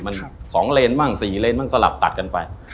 มัน๒เลนบ้าง๔เลนบ้างสลับตัดกันไป